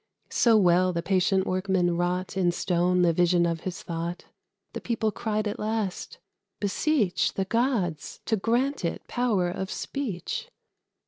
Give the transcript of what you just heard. So well the patient workman wrought In stone the vision of his thought, The people cried at last, "Beseech The gods to grant it power of speech!"